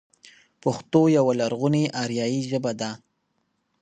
پښتو يوه لرغونې آريايي ژبه ده.